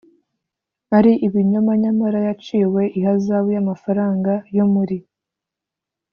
Ari ibinyoma nyamara yaciwe ihazabu y amafaranga yo muri